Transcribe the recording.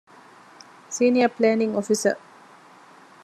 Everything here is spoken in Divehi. ސީނިއަރ ޕްލޭނިންގ އޮފިސަރ